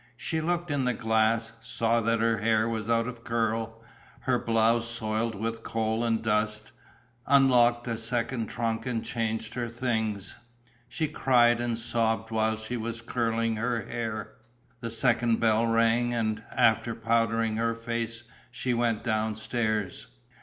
She looked in the glass, saw that her hair was out of curl, her blouse soiled with coal and dust, unlocked a second trunk and changed her things. She cried and sobbed while she was curling her hair. The second bell rang; and, after powdering her face, she went downstairs.